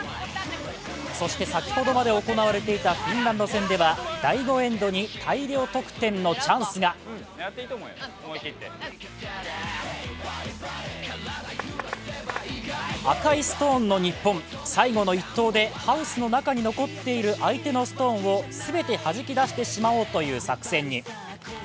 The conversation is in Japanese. そして先ほどまで行われていたフィンランド戦では第５エンドに大量得点のチャンスが赤いストーンの日本最後の一投でハウスの中に残っている相手のストーンを全てはじき出してしまおうという作戦に。